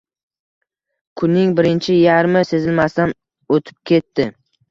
Kunning birinchi yarmi sezilmasdan o`tib ketdi